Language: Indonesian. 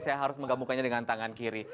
saya harus menggabungkannya dengan tangan kiri